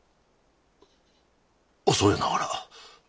恐れながら某。